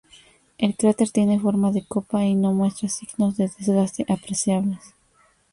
El cráter tiene forma de copa y no muestra signos de desgaste apreciables.